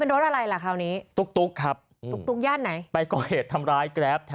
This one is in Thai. ผมมาส่งอ่ะพี่ผมไม่ได้มารับครับพี่